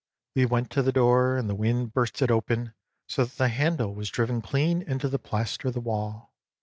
We ivent to the door, and the wind burst it xiv PREFACE open so that the handle was driven clean into the plaster of the wall.